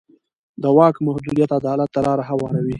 د واک محدودیت عدالت ته لاره هواروي